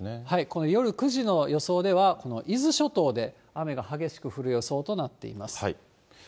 この夜９時の予想では、この伊豆諸島で雨が激しく降る予想となっています。